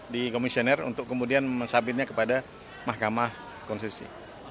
di komisioner untuk kemudian mensabitnya kepada mahkamah konstitusi